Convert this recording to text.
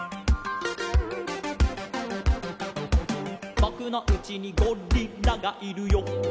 「ぼくのうちにゴリラがいるよ」